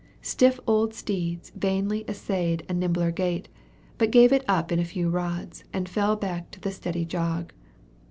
Stiff old steeds vainly essayed a nimbler gait, but gave it up in a few rods, and fell back to the steady jog.